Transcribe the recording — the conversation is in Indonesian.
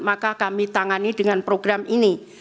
maka kami tangani dengan program ini